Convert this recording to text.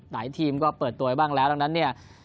หลายทีมก็เปิดตัวบ้างแล้วแล้วนั้นเนี่ย